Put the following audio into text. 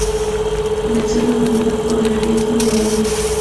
El exceso de humedad o de riego la dañan.